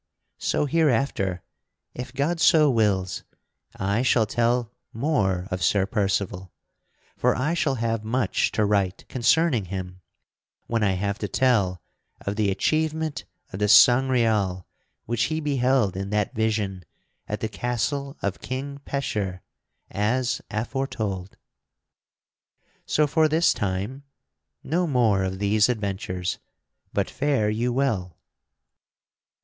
So, hereafter, if God so wills, I shall tell more of Sir Percival, for I shall have much to write concerning him when I have to tell of the achievement of the Sangreal which he beheld in that vision at the Castle of King Pecheur as aforetold. So, for this time, no more of these adventures, but fare you well.